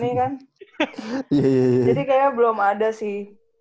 jadi kayaknya belum ada sih